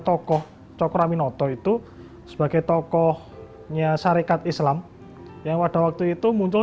tokoh cokro aminoto itu sebagai tokohnya syarikat islam yang pada waktu itu muncul